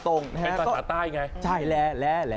เป็นภาษาไต้ไงใช่แลแลแลแล